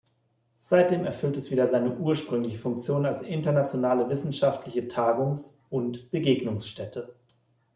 Seitdem erfüllt es wieder seine ursprüngliche Funktion als internationale wissenschaftliche Tagungs- und Begegnungsstätte.